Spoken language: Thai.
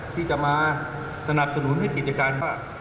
ที่จะมาสนับสนุนให้กิจการว่า